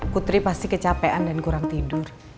putri pasti kecapean dan kurang tidur